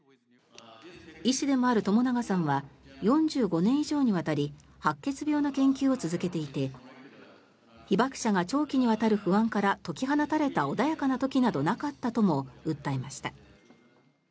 医師でもある朝長さんは４５年以上にわたり白血病の研究を続けていて被爆者が長期にわたる不安から解き放たれた穏やかな時などなかったとも訴えました。